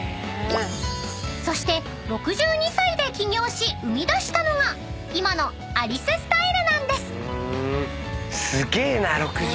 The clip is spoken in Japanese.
［そして６２歳で起業し生み出したのが今のアリススタイルなんです］